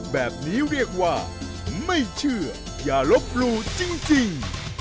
แบบนี้เรียกว่าไม่เชื่ออย่าลบหลู่จริง